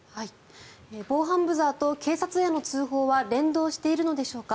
防犯ブザーと警察への通報は連動しているのでしょうか。